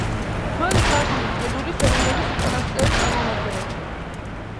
ძველი ქართული ჭედური ხელოვნების უკანასკნელი წარმომადგენელი.